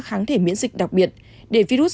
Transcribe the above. kháng thể miễn dịch đặc biệt để virus